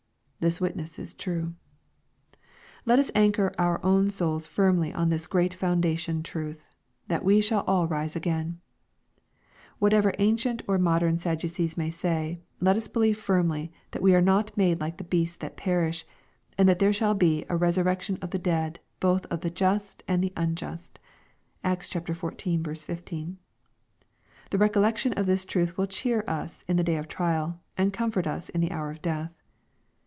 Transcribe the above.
This witness is true. Let us anchor our own souls firmly on this great foundation truth, " that we shall all rise again.*' What ever ancient or modern Sadducees may say, let us believe firmly that we are not made like the beasts that perish, and that there shall be " a resurrection of the dead, both of the just and unjust." (Acts xxiv. 15.) The recollection of this truth will cheer us in the day of trial, and comfort us in the hour of death.